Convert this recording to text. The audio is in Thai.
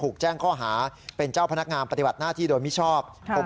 แจ้งข้อหาเป็นเจ้าพนักงานปฏิบัติหน้าที่โดยมิชอบ